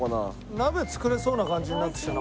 鍋作れそうな感じになってきたな